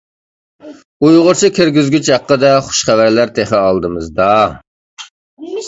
ئۇيغۇرچە كىرگۈزگۈچ ھەققىدە خۇش خەۋەرلەر تېخى ئالدىمىزدا!